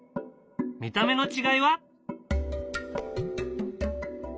見た目の違いは。